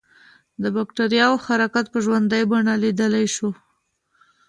د بکټریاوو حرکت په ژوندۍ بڼه لیدلای شو.